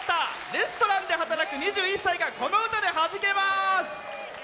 レストランで働く２１歳がこの歌ではじけます。